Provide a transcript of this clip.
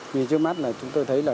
vì trước mắt là chúng tôi thấy là